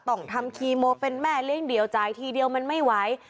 ต้องทำคีโมเป็นแม่เลี้ยงเดี่ยวจ่ายทีเดียวมันไม่ไหว